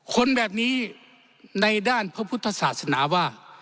คนแบบนี้ในด้านพระพุทธศาสนาว่า